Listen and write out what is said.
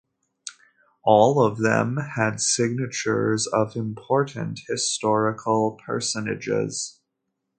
All of them had signatures of important historical personages.